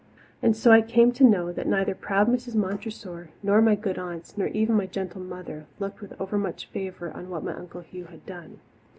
And so I came to know that neither proud Mrs. Montressor nor my good aunts, nor even my gentle mother, looked with overmuch favour on what my Uncle Hugh had done.